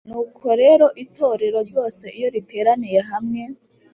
Nuko rero Itorero ryose iyo riteraniye hamwe